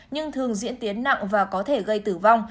nhưng thường diễn tiến nặng và có thể gây tử vong